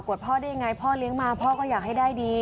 พ่อได้ยังไงพ่อเลี้ยงมาพ่อก็อยากให้ได้ดี